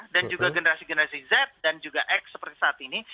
dan juga generasi generasi z dan juga x seperti saat ini